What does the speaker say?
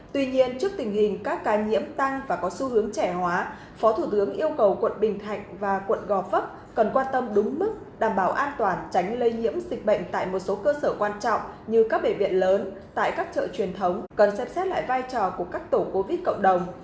tuy nhiên trước tình hình các ca nhiễm tăng và có xu hướng trẻ hóa phó thủ tướng yêu cầu quận bình thạnh và quận gò vấp cần quan tâm đúng mức đảm bảo an toàn tránh lây nhiễm dịch bệnh tại một số cơ sở quan trọng như các bệnh viện lớn tại các chợ truyền thống cần xem xét lại vai trò của các tổ covid cộng đồng